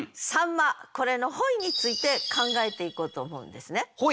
これの本意について考えていこうと思うんですね。